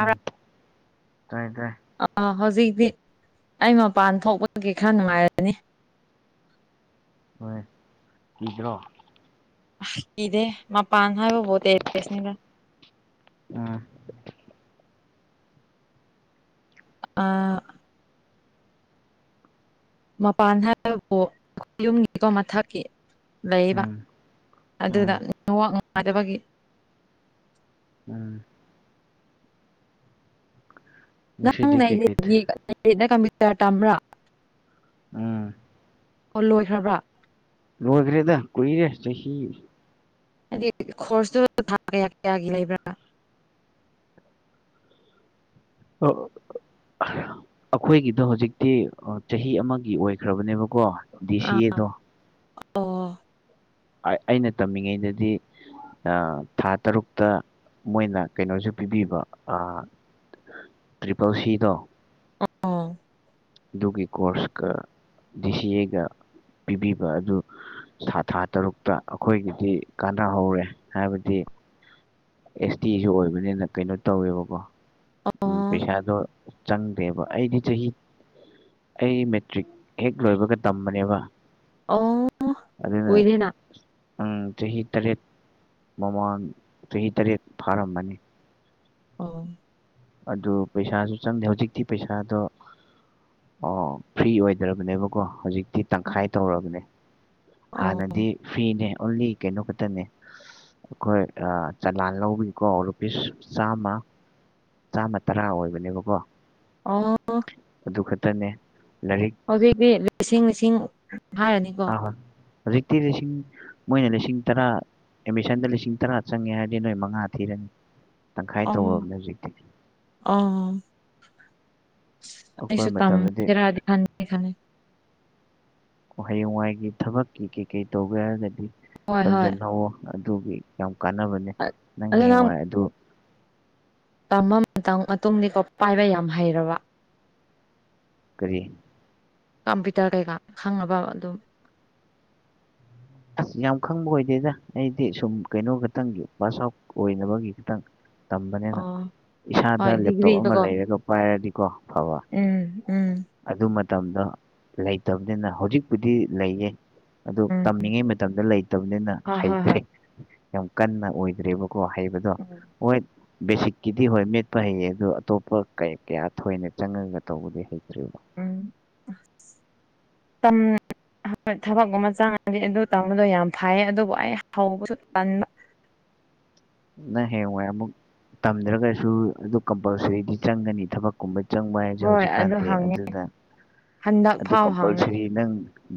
ꯎꯝ ꯇꯥꯏ ꯇꯥꯏ ꯑꯥ ꯍꯧꯖꯤꯛꯇꯤ ꯑꯩ ꯃꯄꯥꯟ ꯊꯣꯛꯄꯒꯤ ꯈꯔ ꯅꯨꯡꯉꯥꯏꯔꯅꯤ ꯍꯣꯏ ꯀꯩꯗ꯭ꯔꯣ ꯑꯥ ꯀꯩꯗꯦꯍꯦ ꯃꯥꯄꯥꯥꯟ ꯍꯥꯏꯕꯕꯨ ꯇꯦꯔꯁꯅꯤꯗ ꯎꯝ ꯑꯥ ꯃꯄꯥꯟ ꯍꯥꯏꯕꯕꯨ ꯌꯨꯝꯒꯤꯀꯣ ꯃꯊꯛꯀꯤ ꯂꯩꯌꯦꯕ ꯎꯝ ꯎꯝ ꯑꯗꯨꯗꯥ ꯅꯦꯠ ꯋꯥꯛ ꯅꯨꯡꯉꯥꯏꯇꯕꯒꯤ ꯎꯝ ꯅꯪ ꯉꯁꯤꯗꯤ ꯀꯩꯀꯩ ꯅꯔꯦꯔꯦꯠꯀꯤ [unintelligible] ꯀꯝꯄ꯭ꯌꯨꯇꯔ ꯇꯝꯕ꯭ꯔꯥ ꯎꯝ ꯑꯣ ꯂꯣꯏꯈ꯭ꯔꯕ꯭ꯔꯥ ꯂꯣꯏꯈ꯭ꯔꯦꯗ ꯀꯨꯏꯔꯦ ꯆꯍꯤ ꯍꯥꯏꯗꯤ ꯈꯣꯔꯁꯇꯨ ꯊꯥ ꯀꯌꯥ ꯀꯌꯥꯒꯤ ꯂꯩꯕ꯭ꯔꯥ ꯑꯣ ꯑꯩꯈꯣꯏꯒꯤꯗꯣ ꯍꯧꯖꯤꯛꯇꯤ ꯆꯍꯤ ꯑꯃꯒꯤ ꯑꯣꯏꯈ꯭ꯔꯕꯅꯦꯕꯀꯣ ꯑꯥ ꯗꯤꯁꯤꯑꯦꯗꯣ ꯑꯣ ꯑꯩꯅ ꯇꯝꯃꯤꯉꯩꯗꯗꯤ ꯊꯥ ꯇꯔꯨꯛꯇ ꯃꯣꯏꯅ ꯀꯩꯅꯣꯁꯨ ꯄꯤꯕꯤꯕ ꯇ꯭ꯔꯤꯄꯜ ꯁꯤꯗꯣ ꯑ ꯑꯗꯨꯒꯤ ꯀꯣꯔꯁꯀ ꯗꯤ ꯁꯤ ꯑꯦꯒ ꯄꯤꯕꯤꯕ ꯑꯗꯨ ꯊꯥ ꯇꯔꯨꯛꯇ ꯑꯩꯈꯣꯏꯒꯤꯗꯤ ꯀꯥꯟꯅꯍꯧꯔꯦ ꯍꯥꯏꯕꯗꯤ ꯑꯦꯁ ꯇꯤꯁꯨ ꯑꯣꯏꯕꯅꯤꯅ ꯀꯩꯅꯣ ꯇꯧꯋꯦꯕꯀꯣ ꯑꯣ ꯎꯝ ꯄꯩꯁꯥꯗꯣ ꯆꯪꯗ꯭ꯔꯦꯕ ꯑꯩꯗꯤ ꯆꯍꯤ ꯑꯩ ꯃꯦꯇ꯭ꯔꯤꯛ ꯍꯦꯛ ꯂꯣꯏꯕꯒ ꯇꯝꯕꯅꯦꯕ ꯑꯣ ꯑꯗꯨꯗꯅꯦ ꯀꯨꯏꯔꯦꯅ ꯆꯍꯤ ꯇꯔꯦꯠ ꯃꯃꯥꯡ ꯆꯍꯤ ꯇꯔꯦꯠ ꯐꯥꯔꯝꯕꯅꯤ ꯑꯣ ꯑꯗꯨ ꯄꯩꯁꯥꯁꯨ ꯆꯪꯗꯦ ꯍꯧꯖꯤꯛꯇꯤ ꯄꯩꯁꯥꯗꯣ ꯑꯣ ꯐ꯭ꯔꯤ ꯑꯣꯏꯗ꯭ꯔꯕꯅꯦꯕꯀꯣ ꯍꯧꯖꯤꯛ ꯤ ꯇꯪꯈꯥꯏ ꯇꯧꯔꯕꯅꯦ ꯑꯣ ꯍꯥꯟꯅꯗꯤ ꯐꯤꯅꯦ ꯑꯣꯟꯂꯤ ꯀꯩꯅꯣ ꯈꯛꯇꯅꯦ ꯑꯩꯈꯣꯏ ꯆꯂꯥꯟ ꯂꯧꯕꯤꯀꯣ ꯔꯨꯄꯤꯁ ꯆꯥꯝꯃ ꯆꯥꯝꯃ ꯇꯔꯥ ꯑꯣꯏꯕꯅꯦꯕꯀꯣ ꯑ ꯑꯗꯨ ꯈꯛꯇꯅꯦ ꯂꯥꯏꯔꯤꯛ ꯍꯧꯖꯤꯛꯇꯤ ꯂꯤꯁꯤꯡ ꯂꯤꯁꯤꯡ ꯍꯥꯏꯔꯅꯤꯀꯣ ꯑꯥ ꯍꯣꯏ ꯍꯧꯖꯤꯛꯇꯤ ꯂꯤꯁꯤꯡ ꯃꯣꯏꯅ ꯂꯤꯁꯤꯡ ꯇꯔꯥ ꯑꯦꯠꯃꯤꯁꯟꯗ ꯂꯤꯁꯤꯡ ꯇꯔꯥ ꯆꯪꯉꯦ ꯍꯥꯏꯔꯗꯤ ꯅꯣꯏ ꯃꯉꯥ ꯊꯤꯔꯅꯤ ꯇꯪꯈꯥꯏ ꯑꯣ ꯇꯧꯔꯕꯅꯦ ꯍꯧꯖꯤꯛꯇꯤ ꯑꯣ ꯑꯩꯈꯣꯏ ꯑꯩꯁꯨ ꯇꯝ ꯃꯇꯝꯗꯗꯤ ꯈꯦꯔꯗꯤ ꯈꯥꯟ ꯈꯦ ꯍꯌꯦꯡꯋꯥꯏꯒꯤ ꯊꯕꯛꯀꯤ ꯀꯩ ꯀꯩ ꯇꯧꯒꯦ ꯍꯥꯏꯔꯒꯗꯤ ꯍꯣꯏ ꯍꯣꯏ ꯇꯝꯖꯟꯍꯧꯣ ꯑꯗꯨꯒꯤ ꯌꯥꯝ ꯀꯥꯟꯅꯕꯅꯦ ꯅꯪ ꯍꯌꯦꯡ ꯋꯥꯏ ꯑꯗꯨ ꯇꯝꯕ ꯃꯇꯨꯡꯗꯤꯀꯣ ꯄꯥꯏꯕ ꯌꯥꯝ ꯍꯩꯔꯕ ꯀꯔꯤ ꯀꯝꯄ꯭ꯌꯨꯇꯔ ꯀꯩꯀꯥ ꯈꯪꯉꯕ ꯑꯗꯨꯝ ꯑ ꯌꯥꯝ ꯈꯪꯕ ꯑꯣꯏꯗꯦꯗ ꯑꯩꯗꯤ ꯁꯨꯝ ꯀꯩꯅꯣ ꯈꯛꯇꯪꯒꯤ ꯄꯥꯁ ꯑꯥꯎꯠ ꯑꯣꯏꯅꯕꯒꯤ ꯈꯤꯇꯪ ꯇꯝꯕꯅꯤꯅ ꯑꯣ ꯏꯁꯥꯗ ꯍꯣꯏ ꯂꯦꯞꯇꯣꯞ ꯑꯃ ꯗꯤꯒ꯭ꯔꯤꯗꯀꯣ ꯂꯩꯔꯒ ꯄꯥꯏꯔꯗꯤꯀꯣ ꯐꯕ ꯎꯝ ꯎꯝ ꯑꯗꯨ ꯃꯇꯝꯗꯣ ꯂꯩꯇꯕꯅꯤꯅ ꯍꯧꯖꯤꯛꯄꯨꯗꯤ ꯂꯩꯌꯦ ꯎꯝ ꯇꯝꯃꯤꯉꯩ ꯃꯇꯝꯗ ꯂꯩꯇꯕꯅꯤꯅ ꯍꯣꯏ ꯍꯣꯏ ꯍꯩꯇ꯭ꯔꯦ ꯍꯣꯏ ꯌꯥꯝ ꯀꯟꯅ ꯑꯣꯏꯗ꯭ꯔꯦꯕꯀꯣ ꯍꯩꯕ ꯎꯝ ꯑꯣꯏꯣꯏ ꯕꯦꯁꯤꯛꯀꯤꯗꯤ ꯍꯣꯏ ꯃꯦꯠꯄ ꯍꯩꯌꯦ ꯑꯗꯨ ꯑꯇꯣꯞꯄ ꯀꯌꯥ ꯀꯌꯥ ꯊꯣꯏꯅ ꯆꯪꯉꯒ ꯇꯧꯕꯗꯤ ꯍꯩꯇ꯭ꯔꯤꯕ ꯎꯝ ꯇꯝ ꯊꯕꯛꯀꯨꯝꯕ ꯆꯪꯉꯗꯤ ꯑꯗꯨ ꯇꯝꯕꯗꯣ ꯌꯥꯝ ꯐꯩꯌꯦ ꯑꯗꯨꯕꯨ ꯑꯩ ꯍꯧꯕꯁꯨ ꯇꯟꯕ ꯅꯪ ꯍꯌꯦꯋꯥꯏ ꯑꯃꯨꯛ ꯇꯝꯗ꯭ꯔꯒꯁꯨ ꯑꯗꯨ ꯀꯝꯄꯜꯁꯔꯤꯗꯤ ꯆꯪꯒꯅꯤ ꯊꯕꯛ ꯀꯨꯝꯕ ꯆꯪꯕ ꯍꯥꯏꯁꯦ ꯍꯣꯏ ꯑꯗꯨ ꯍꯧꯖꯤꯛꯀꯥꯟꯗꯤ ꯍꯪꯉꯦ ꯑꯗꯨꯅ ꯍꯟꯗꯛ ꯑꯗꯨ ꯐꯥꯎ ꯍꯪꯉꯦ ꯀꯝꯄꯜꯁꯔꯤ ꯅꯪ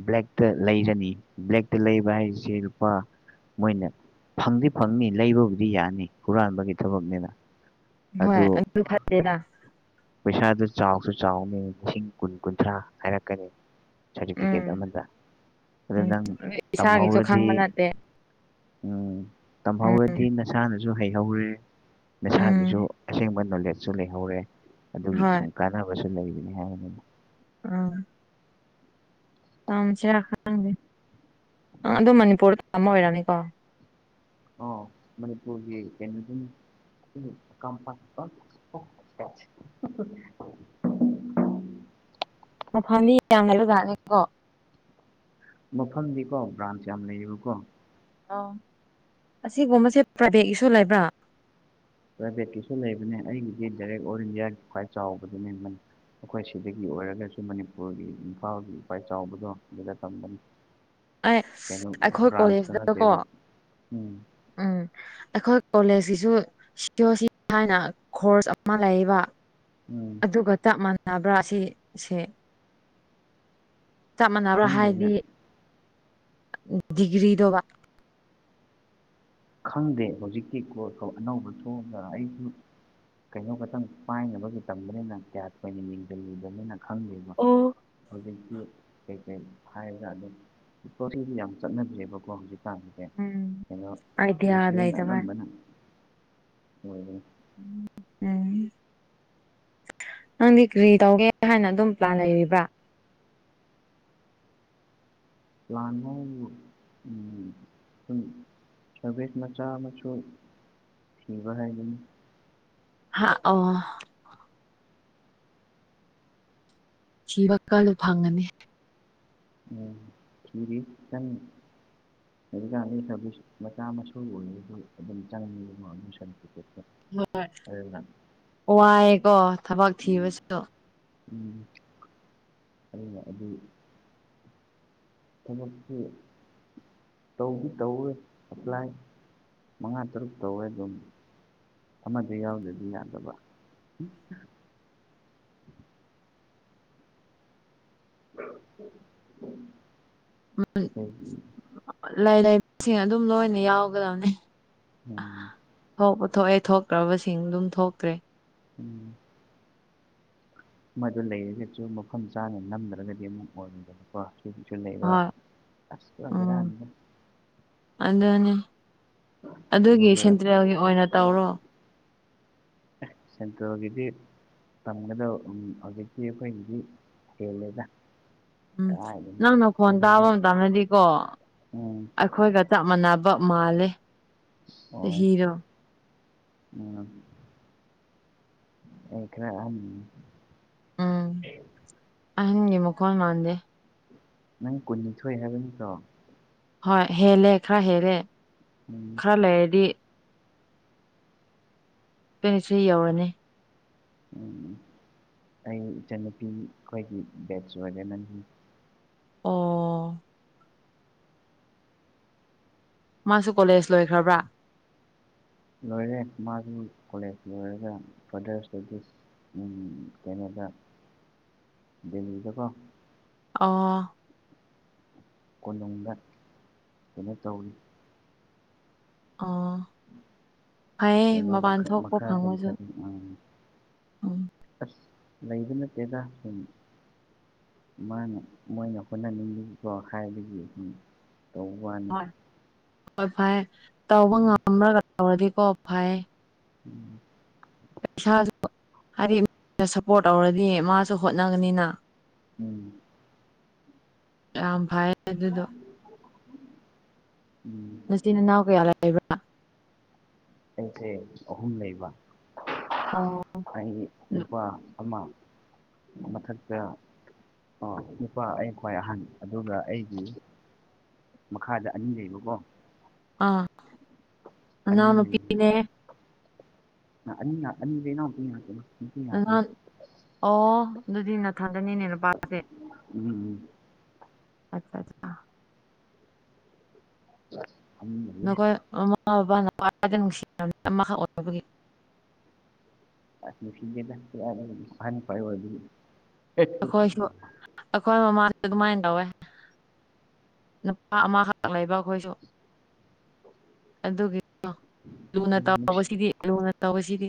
ꯕ꯭ꯂꯦꯛꯇ ꯂꯩꯒꯅꯤ ꯕ꯭ꯂꯦꯛꯇ ꯂꯩꯕ ꯍꯥꯏꯁꯦ ꯂꯨꯄꯥ ꯃꯣꯏꯅ ꯐꯪꯗꯤ ꯐꯪꯅꯤ ꯂꯩꯕꯕꯨꯗꯤ ꯌꯥꯅꯤ ꯍꯨꯔꯥꯟꯕꯒꯤ ꯊꯕꯛꯅꯤꯅ ꯍꯣꯏ ꯑꯗꯨ ꯐꯠꯗꯦꯗ ꯄꯩꯁꯥꯗꯨ ꯆꯥꯎꯁꯨ ꯆꯥꯎꯅꯤ ꯂꯤꯁꯤꯡ ꯀꯨꯟ ꯀꯨꯟꯊ꯭ꯔꯥ ꯍꯥꯏꯔꯛꯀꯅꯤ ꯁꯥꯔꯇꯤꯐꯤꯀꯦꯠ ꯎꯝ ꯑꯃꯗ ꯑꯗꯨ ꯎꯝ ꯅꯪ ꯏꯁꯥꯒꯤꯁꯨ ꯇꯝꯍꯧꯔꯗꯤ ꯈꯪꯕ ꯅꯠꯇꯦ ꯎꯝ ꯎꯝ ꯇꯝꯍꯧꯔꯗꯤ ꯅꯁꯥꯅꯁꯨ ꯍꯩꯍꯧꯔꯦ ꯎꯝ ꯅꯁꯥꯒꯤꯁꯨ ꯑꯁꯦꯡꯕ ꯅꯣꯂꯦꯖꯁꯨ ꯂꯩꯍꯧꯔꯦ ꯑꯗꯨꯒꯤ ꯍꯣꯏ ꯁꯨꯝ ꯀꯥꯟꯅꯕꯁꯨ ꯂꯩꯕꯅꯤ ꯍꯥꯏꯕꯅꯤꯅ ꯎꯝ ꯇꯝꯁꯤꯔ ꯈꯪꯗꯦ ꯑꯗꯨ ꯃꯅꯤꯄꯨꯔꯗ ꯊ ꯑꯣꯏꯔꯅꯤꯀꯣ ꯑ ꯃꯅꯤꯄꯨꯔꯒꯤ ꯀ ꯀꯝꯄꯅꯤ ꯇ ꯃꯐꯝꯥꯗꯤ ꯌꯥꯝ ꯂꯩꯕꯖꯥꯠꯅꯤꯀꯣ ꯃꯐꯝꯗꯤꯀꯣ ꯕ꯭ꯔꯥꯟꯁ ꯌꯥꯝ ꯂꯩꯌꯦꯕꯀꯣ ꯑ ꯑꯁꯤꯒꯨꯝꯕꯁꯦ ꯄ꯭ꯔꯥꯏꯚꯦꯠꯀꯤꯁꯨ ꯂꯩꯕ꯭ꯔꯥ ꯄ꯭ꯔꯥꯏꯚꯦꯠꯀꯤꯁꯨ ꯂꯩꯕꯅꯦ ꯑꯩꯒꯤꯗꯤ ꯗꯥꯏꯔꯦꯛ ꯑꯣꯜ ꯏꯟꯗꯤꯌꯥꯒꯤ ꯈ꯭ꯋꯥꯏ ꯆꯥꯎꯕꯗꯨꯅꯦꯕꯅꯤ ꯑꯩꯈꯣꯏ ꯁꯤꯗꯒꯤ ꯑꯣꯏꯔꯒꯁꯨ ꯃꯅꯤꯄꯨꯔꯒꯤ ꯏꯝꯐꯥꯜꯒꯤ ꯈ꯭ꯋꯤꯏ ꯆꯥꯎꯕꯗꯣ ꯑꯗꯨꯗ ꯇꯝꯕꯅꯤ ꯑꯩ ꯀꯩꯅꯣ ꯑꯩꯈꯣꯏ ꯕ꯭ꯔꯥꯟꯁꯇ ꯀꯣꯂꯦꯖꯇꯀꯣ ꯅꯠꯇꯦꯕ ꯎꯝ ꯎꯝ ꯑꯩꯈꯣꯏ ꯀꯣꯂꯦꯖꯀꯤꯁꯨ ꯁꯤ ꯑꯣ ꯁꯤ ꯍꯥꯏꯅ ꯀꯣꯔꯁ ꯑꯃ ꯂꯩꯕ ꯎꯝ ꯑꯗꯨꯒ ꯆꯞ ꯃꯥꯟꯅꯕ꯭ꯔꯥ ꯁꯤꯁꯦ ꯆꯞ ꯃꯥꯟꯅꯕ꯭ꯔꯣ ꯈꯪꯗꯦꯅꯦ ꯍꯥꯏꯗꯤ ꯗꯤꯒ꯭ꯔꯤꯗꯧꯕ ꯈꯪꯗꯦ ꯍꯧꯖꯤꯛꯇꯤ ꯀꯣꯔꯁꯇꯣ ꯑꯅꯧꯕ ꯊꯣꯛꯑꯕꯔ ꯑꯩꯁꯨ ꯀꯩꯅꯣ ꯈꯛꯇꯪ ꯄꯥꯏꯅꯕꯒꯤ ꯇꯝꯕꯅꯤꯅ ꯀꯌꯥ ꯊꯣꯏꯅ ꯌꯦꯡꯁꯤꯜꯂꯨꯗꯕꯅꯤꯅ ꯈꯪꯉꯤꯕ ꯑꯣ ꯍꯧꯖꯤꯛꯇꯤ ꯀꯩꯀꯩ ꯍꯥꯏꯔꯒ ꯑꯗꯨꯝ ꯍꯧꯖꯤꯛꯇꯤ ꯌꯥꯝ ꯆꯠꯅꯗ꯭ꯔꯦꯕꯀꯣ ꯍꯧꯖꯤꯛꯀꯥꯟꯗꯤ ꯎꯝ ꯀꯩꯅꯣ ꯑꯥꯏꯗꯤꯌꯥ ꯂꯩꯇꯕ ꯁꯅꯣꯕ ꯅꯪ ꯎꯝ ꯅꯪꯗꯤ ꯀꯔꯤ ꯇꯧꯒꯦ ꯍꯥꯏꯅ ꯑꯗꯨꯝ ꯄ꯭ꯂꯥꯟ ꯂꯩꯔꯤꯕ꯭ꯔꯥ ꯄ꯭ꯂꯥꯟꯗꯣ ꯎꯝ ꯁꯨꯝ ꯁꯔꯚꯦ ꯃꯆꯥ ꯃꯁꯨ ꯊꯤꯕ ꯍꯥꯏꯕꯅꯤ ꯍꯥ ꯑꯣ ꯊꯤꯕ ꯀꯜꯂꯣ ꯐꯪꯒꯅꯤ ꯎꯝ ꯊꯤꯔꯤ ꯀꯟꯅ ꯍꯧꯖꯤꯛꯀꯥꯟꯗꯤ ꯃꯆꯥ ꯃꯁꯨꯒꯤ ꯑꯣꯏꯔꯁꯨ ꯑꯗꯨꯝ ꯆꯪꯉꯤ ꯑꯗꯨ ꯁꯔꯇꯤꯐꯤꯀꯦꯠꯇꯨ ꯍꯣꯏ ꯋꯥꯏꯑꯦꯀꯣ ꯊꯕꯛ ꯎꯝ ꯊꯤꯕꯁꯨ ꯎꯝ ꯑꯗꯨ ꯊꯕꯛꯁꯤ ꯇꯧꯗꯤ ꯇꯧꯋꯦ ꯑꯦꯄ꯭ꯂꯥꯏ ꯃꯉꯥ ꯇꯔꯨꯛ ꯇꯧꯋꯦ ꯑꯗꯨꯝ ꯑꯃꯗ ꯌꯥꯎꯗꯗꯤ ꯌꯥꯗꯕ ꯑ ꯂꯥꯏ ꯂꯥꯏꯁꯤꯡ ꯑꯗꯨꯝ ꯂꯣꯏꯅ ꯌꯥꯎꯒꯗꯕꯅꯤ ꯎꯝ ꯊꯣꯛꯄ ꯊꯣꯛꯑꯦ ꯊꯣꯛꯇ꯭ꯔꯕꯁꯤꯡ ꯑꯗꯨꯝ ꯊꯣꯛꯇ꯭ꯔꯦ ꯎꯝ ꯑꯃꯗꯨ ꯂꯩꯔꯒꯁꯨ ꯃꯐꯝ ꯆꯥꯅ ꯅꯝꯗ꯭ꯔꯒꯗꯤ ꯑꯃꯨꯛ ꯑꯣꯏꯗꯕꯀꯣ ꯁꯨ ꯂꯩꯕ ꯍꯣꯏ ꯑꯁ ꯄꯨꯔꯥ ꯎꯝ ꯕꯦꯔꯥꯅꯤꯗ ꯑꯗꯨꯅꯤ ꯑꯗꯨꯒꯤ ꯑꯗꯨꯒ ꯁꯦꯟꯇ꯭ꯔꯦꯜꯒꯤ ꯑꯣꯏꯅ ꯇꯧꯔꯣ ꯑꯦ ꯁꯦꯟꯇ꯭ꯔꯦꯜꯒꯤꯗꯤ ꯇꯝꯒꯗꯕ ꯍꯧꯖꯤꯛꯇꯤ ꯑꯩꯈꯣꯏꯗꯤ ꯍꯦꯜꯂꯦꯗ ꯎꯝ ꯀꯗꯥꯏꯗꯒꯤ ꯅꯪ ꯅꯈꯣꯟ ꯇꯥꯕ ꯆꯍꯤꯗꯣ ꯃꯇꯝꯗꯗꯤꯀꯣ ꯎꯝ ꯑꯩꯈꯣꯏꯒ ꯆꯞ ꯃꯥꯟꯅꯕ ꯃꯥꯂꯦ ꯑꯣ ꯎꯝ ꯑꯩ ꯈꯔ ꯑꯍꯟꯅꯤ ꯑꯥꯍꯟꯒꯤ ꯃꯈꯣꯟ ꯃꯥꯟꯗꯦ ꯅꯪ ꯀꯨꯟꯅꯤꯊꯣꯏ ꯍꯥꯏꯕ ꯅꯠꯇ꯭ꯔꯣ ꯍꯣꯏ ꯍꯦꯜꯂꯦ ꯈꯔ ꯍꯦꯜꯂꯦ ꯎꯝ ꯈꯔꯥ ꯂꯩꯔꯗꯤ ꯇꯣꯏꯟꯇꯤ ꯊꯔꯤ ꯌꯧꯔꯅꯤ ꯎꯝ ꯑꯩ ꯏꯆꯟꯅꯨꯄꯤ ꯑꯩꯈꯣꯏꯒꯤ ꯕꯦꯠꯆ ꯑꯣꯏ ꯅꯪꯒꯤ ꯑꯣ ꯃꯥꯁꯨ ꯀꯣꯂꯦꯖ ꯂꯣꯏꯈ꯭ꯔꯕ꯭ꯔꯥ ꯂꯣꯏꯔꯦ ꯃꯥꯗꯤ ꯀꯣꯂꯦꯖ ꯂꯣꯏꯔꯒ ꯐꯔꯗꯔ ꯏꯁꯇꯗꯤꯁ ꯎꯝ ꯀꯩꯅꯣꯗ ꯗꯦꯂꯤꯗꯀꯣ ꯑꯣ ꯀꯣꯅꯨꯡꯗ ꯀꯩꯅꯣ ꯇꯧꯋꯦ ꯑꯣ ꯐꯩꯌꯦ ꯃꯄꯥꯟ ꯊꯣꯛꯄ ꯐꯪꯕꯁꯨ ꯎꯝ ꯎꯝ ꯑꯁ ꯂꯩꯕ ꯅꯠꯇꯦꯗ ꯁꯨꯝ ꯃꯥꯅ ꯃꯣꯏꯅ ꯍꯣꯠꯅꯅꯤꯡꯕꯒꯤ ꯀꯣ ꯍꯥꯏꯕꯗꯒꯤ ꯇꯧꯕ ꯋꯥꯅꯤ ꯍꯣꯏ ꯍꯣꯏ ꯐꯌꯦ ꯇꯧꯕ ꯎꯝ ꯉꯝꯃ꯭ꯔꯒ ꯇꯧꯔꯗꯤꯀꯣ ꯐꯩꯌꯦ ꯎꯝ [unintelligible] ꯄꯣꯔꯠ ꯇꯧꯔꯗꯤ ꯃꯥꯁꯨ ꯍꯣꯠꯅꯒꯅꯤꯅ ꯎꯝ ꯌꯥꯝ ꯐꯥꯏ [unintelligible] ꯎꯝ ꯅꯆꯤꯟ ꯅꯅꯥꯎ ꯀꯌꯥ ꯂꯩꯕ꯭ꯔꯥ ꯑꯩꯁꯦ ꯑꯍꯨꯝ ꯂꯩꯕ ꯑꯣ ꯑꯩ ꯅꯨꯄꯥ ꯑꯃ ꯃꯊꯛꯇ ꯑꯣ ꯅꯨꯄꯥ ꯑꯩ ꯈ꯭ꯋꯥꯏ ꯑꯍꯟ ꯑꯗꯨꯒ ꯑꯩꯒꯤ ꯃꯈꯥꯗ ꯑꯅꯤ ꯂꯩꯕꯀꯣ ꯑꯥ ꯑꯅꯤ ꯅꯅꯥꯎꯅꯨꯄꯤꯅꯦ ꯑꯥ ꯑꯅꯤ ꯉꯥꯛ ꯑꯅꯤꯗꯣ ꯏꯅꯥꯎꯄꯤ ꯉꯥꯛꯇꯅꯦ [unintelligible] ꯑꯣ ꯑꯗꯨꯗꯤ ꯅꯊꯥꯟꯇꯅꯤꯅꯦ ꯅꯨꯄꯥꯁꯦ ꯎꯝ ꯑꯆꯥ ꯅꯈꯣꯏ [inaudible] ꯃꯃꯥ ꯕꯕꯥꯅ ꯈꯋꯥꯏꯗ ꯅꯨꯡꯁꯤꯔꯕ ꯑꯃꯈꯛ ꯑꯣꯏꯕꯒꯤ ꯑꯁ ꯅꯨꯡꯁꯤꯗꯦꯗꯥ [unintelligible] ꯑꯍꯟ ꯈꯋꯥꯏ ꯑꯣꯏꯕꯒꯤ ꯑꯩꯈꯣꯏꯁꯨ ꯑꯩꯈꯣꯏ ꯃꯃꯥꯁꯨ ꯑꯗꯨꯃꯥꯏꯅ ꯇꯧꯋꯦ ꯅꯨꯄꯥ ꯑꯃꯈꯛꯇ ꯂꯩꯕ ꯑꯩꯈꯣꯏꯁꯨ ꯑꯗꯨꯒꯤ ꯂꯨꯅ ꯅꯨꯡꯁꯤ ꯇꯧꯕꯁꯤꯗꯤ ꯂꯨꯅ ꯇꯧꯕꯁꯤꯗꯤ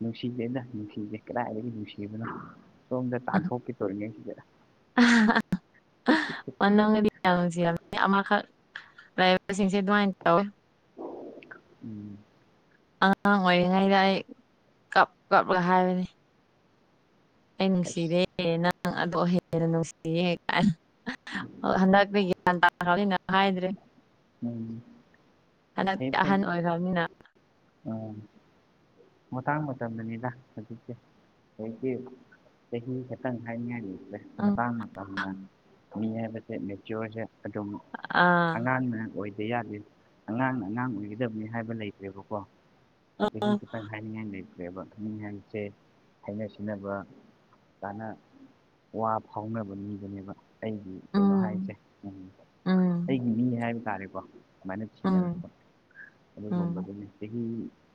ꯅꯨꯡꯁꯤꯗꯦꯗ ꯅꯨꯡꯁꯤꯗꯦ ꯀꯗꯥꯏꯗꯒꯤ ꯅꯨꯡꯁꯤꯕꯅꯣ ꯁꯣꯝꯗ ꯇꯥꯟꯊꯣꯛꯀꯦ ꯇꯧꯔꯤꯉꯩꯁꯤꯗ [unintelligible] ꯃꯥꯅꯨꯡꯗꯗꯤ ꯌꯥꯝ ꯅꯨꯡꯁꯤꯔꯝꯅꯤ ꯑꯃꯈꯛ ꯂꯩꯕꯁꯤꯡꯁꯦ ꯑꯗꯨꯃꯥꯏꯅ ꯇꯧꯋꯦ ꯎꯝ ꯑꯉꯥꯡ ꯑꯣꯏꯔꯤꯉꯩꯗ ꯑꯩ ꯀꯞ ꯀꯞꯂꯒ ꯍꯥꯏꯕꯅꯤ ꯑꯩ ꯑꯁ ꯅꯨꯡꯁꯤꯗꯦ ꯅꯪ ꯑꯗꯨ ꯍꯦꯟꯅ ꯅꯨꯡꯁꯤꯌꯦ ꯀꯥꯏꯅ ꯍꯟꯗꯛꯇꯤ ꯒ꯭ꯌꯥꯟ ꯇꯥꯈ꯭ꯔꯅꯤꯅ ꯍꯥꯏꯗ꯭ꯔꯦ ꯎꯝ ꯐꯩ ꯍꯟꯗꯛꯇꯤ ꯐꯩ ꯑꯍꯟ ꯑꯣꯏꯈ꯭ꯔꯕꯅꯤꯅ ꯎꯝ ꯃꯇꯥꯡ ꯃꯇꯝꯅꯅꯤꯗ ꯍꯧꯖꯤꯛꯁꯦ ꯍꯧꯖꯤꯛꯇꯤ ꯆꯥꯍꯤ ꯈꯥꯇꯪ ꯍꯥꯏꯅꯤꯡꯉꯥꯏ ꯂꯩꯇꯔꯦ ꯎꯝ ꯃꯇꯥꯡ ꯃꯇꯥꯡꯅ ꯃꯤ ꯍꯥꯏꯕꯁꯦ ꯃꯦꯆꯤꯌꯣꯔꯁꯦ ꯑꯗꯨꯝ ꯑꯥ ꯑꯉꯥꯡꯅ ꯑꯣꯏꯗ ꯌꯥꯗꯦ ꯑꯉꯥꯡꯅ ꯑꯉꯥꯡ ꯑꯣꯏꯒꯗꯕꯅꯤ ꯍꯥꯏꯕ ꯂꯩꯇ꯭ꯔꯦꯕꯀꯣ ꯆꯍꯤ ꯈꯤꯇꯪ ꯍꯥꯏꯅꯤꯡꯉꯥꯏ ꯂꯩꯇ꯭ꯔꯦꯕ ꯍꯥꯏꯅꯤꯡꯉꯥꯏꯁꯦ ꯍꯥꯏꯩꯅ ꯁꯤꯕ ꯀꯥꯅ ꯋꯥ ꯐꯥꯎꯅꯕ ꯃꯤꯕꯅꯦꯕ ꯑꯩꯒꯤ ꯀꯩꯅꯣ ꯍꯥꯏꯁꯦ ꯎꯝ ꯎꯝ ꯑꯩꯒꯤ ꯃꯤ ꯍꯥꯏꯕ ꯇꯥꯔꯦꯀꯣ ꯑꯗꯨꯃꯥꯏꯅ ꯎꯝ ꯊꯤꯡꯅꯔꯛꯄ ꯎꯝ ꯑꯗꯨꯒꯨꯝꯕꯗꯨꯅꯤ ꯆꯍꯤ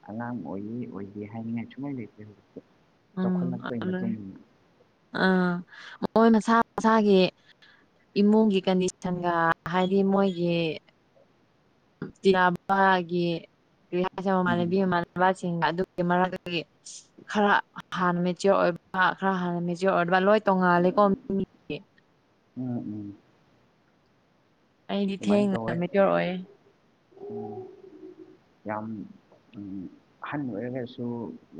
ꯑꯉꯥꯡ ꯑꯣꯏꯌꯦ ꯑꯣꯏꯒꯦ ꯍꯥꯏꯅꯤꯡꯉꯥꯏ ꯁꯨꯃꯥꯏꯅ ꯂꯩꯇꯦ ꯍꯧꯖꯤꯛꯇꯤ ꯎꯝ ꯑꯥ ꯃꯣꯏ ꯃꯁꯥ ꯃꯁꯥꯒꯤ ꯏꯃꯨꯡꯒꯤ ꯀꯟꯗꯤꯁꯟꯒ ꯍꯥꯏꯗꯤ ꯃꯣꯏꯒꯤ [unintelligible] ꯎꯝ ꯁꯤꯡ ꯑꯗꯨꯒꯤ ꯃꯔꯛꯇꯒꯤ ꯈꯔ ꯍꯥꯟꯅ ꯃꯦꯆꯤꯌꯣꯔ ꯑꯣꯏꯕ ꯈꯔ ꯍꯥꯟꯅ ꯃꯦꯆꯤꯌꯣꯔ ꯑꯣꯏꯕ꯭ꯔ ꯂꯣꯏ ꯇꯣꯡꯉꯥꯂꯦꯀꯣ ꯎꯝ ꯎꯝ ꯑꯩꯗꯤ ꯑꯗꯨꯃꯥꯏꯅ ꯊꯦꯡꯅ ꯇꯧꯋꯦ ꯃꯦꯆꯤꯌꯣꯔ ꯑꯣꯏꯌꯦ ꯎꯝ ꯌꯥꯝ ꯑꯍꯟ ꯑꯣꯏꯔꯒꯁꯨ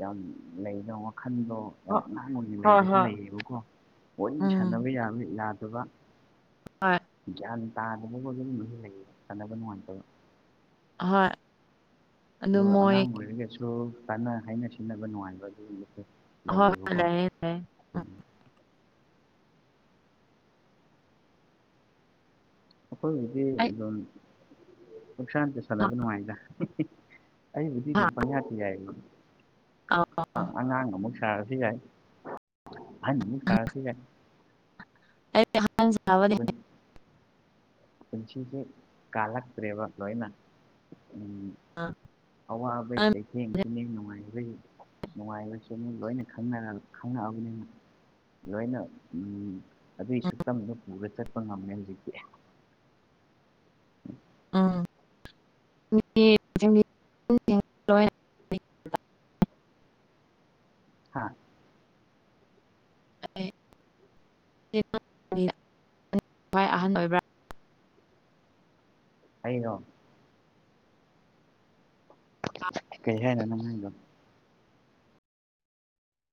ꯌꯥꯝ ꯂꯩꯕꯅ ꯋꯥꯈꯟꯗꯣ ꯌꯥꯝ ꯍꯣꯏ ꯑꯉꯥꯡ ꯑꯣꯏꯅ ꯍꯣꯏ ꯂꯩꯕꯁꯨ ꯍꯣꯏ ꯂꯩꯌꯦꯕꯀꯣ ꯂꯣꯏꯅ ꯎꯝ ꯁꯥꯟꯅꯕ ꯌꯥꯕ ꯌꯥꯗꯕ ꯍꯣꯏ ꯒ꯭ꯌꯥꯟ ꯇꯥꯗꯕꯕꯨ ꯑꯗꯨꯝ ꯂꯣꯏ ꯂꯩꯌꯦ ꯁꯥꯟꯅꯕ ꯅꯨꯡꯉꯥꯏꯇꯕ ꯍꯣꯏ ꯑꯗꯨ ꯑꯗꯨꯒ ꯃꯣꯏ ꯑꯉꯥꯡ ꯑꯣꯏꯔꯒꯁꯨ ꯀꯥꯟꯅ ꯍꯥꯏꯅ ꯁꯤꯟꯅꯕ ꯅꯨꯡꯉꯥꯏꯕ ꯑꯗꯨꯨꯝ ꯅꯠꯇꯦ ꯍꯣꯏ ꯍꯣꯏ ꯂꯩꯌꯦꯕꯀꯣ ꯂꯩꯌꯦ ꯂꯩꯌꯦ ꯎꯝ ꯑꯩꯈꯣꯏ ꯍꯧꯖꯤꯗꯤ ꯑꯩ ꯑꯗꯨꯝ ꯄꯛꯁꯥꯟ ꯆ ꯁꯥꯟꯅꯕ ꯅꯨꯡꯉꯥꯏꯗ [unintelligible] ꯄꯥꯡꯌꯗ ꯌꯥꯏꯌꯦꯕ ꯑ ꯑꯉꯥꯡ ꯑꯃꯨꯛ ꯁꯥꯔꯁꯨ ꯌꯥꯏ ꯑꯍꯟ ꯑꯃꯨꯛ ꯁꯥꯔꯁꯨ ꯌꯥꯏ ꯑ ꯍꯥꯟꯋꯥꯗ ꯍ ꯄꯨꯟꯁꯤꯁꯦ ꯀꯥꯂꯛꯇ꯭ꯔꯦꯕ ꯂꯣꯏꯅ ꯎ ꯑꯋꯥꯕꯩ ꯎꯝ ꯆꯩꯩꯊꯦꯡꯁꯨꯨꯝꯃꯤ ꯅꯨꯡꯉꯥꯏꯈ꯭ꯔꯩ ꯅꯨꯡꯉꯥꯏꯕꯁꯨꯅꯤ ꯂꯣꯏꯅ ꯈꯪꯉꯛꯑꯕꯅꯤ ꯂꯣꯏꯅ ꯑꯗꯨꯒꯤ ꯁꯛꯇꯝꯗꯨꯣ ꯄꯨꯔ ꯆꯠꯄ ꯉꯝꯃꯦ ꯍꯧꯖꯤꯛꯇꯤ [unintelligible] ꯑꯥ ꯍꯥꯥ ꯚꯥꯏ ꯑꯍꯟ ꯑꯣꯏꯕ꯭ꯔꯥ ꯑꯩꯅꯣ ꯀꯩ ꯍꯥꯏꯅ ꯅꯅꯨꯡꯉꯥꯏꯒ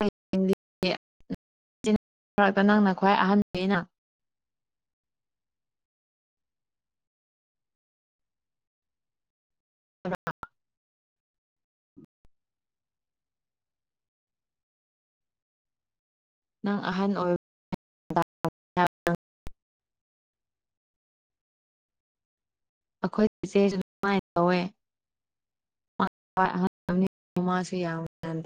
[unintelligible] ꯅꯪꯅ ꯈ꯭ꯋꯥꯏ ꯑꯍꯟꯩꯅ [unintelligible] ꯅꯪ ꯑꯍꯟ ꯑꯣꯏ ꯑꯩꯈꯣꯏ ꯏꯆꯦꯁꯨ ꯁꯃꯥꯏꯅ ꯇꯧꯋꯦ [unintelligible]